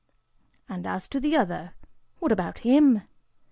And as to the other, what about him?